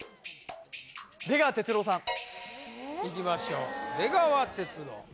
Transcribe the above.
出川哲朗さんいきましょう出川哲朗